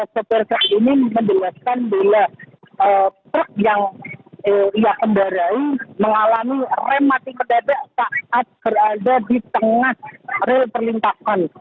sepir sepir ini menjelaskan bila truk yang ia pendarai mengalami rem mati kedadak saat berada di tengah rel perlintasan